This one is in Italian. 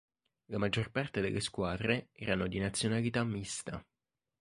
La maggior parte delle squadre erano di nazionalità mista.